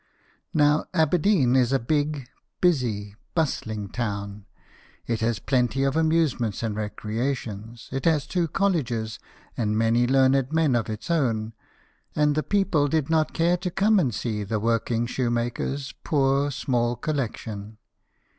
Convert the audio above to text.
Now, Aberdeen is a big, busy, bustling town ; it has plenty of amuse ments and recreations ; it has two colleges and many learned men of its own ; and the people did not care to come and see the working shoe maker's poor small collection.